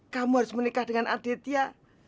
kamu harus menikah dengan aditya